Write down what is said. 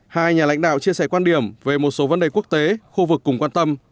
hai nhà lãnh đạo chia sẻ quan điểm về một số vấn đề quốc tế khu vực cùng quan tâm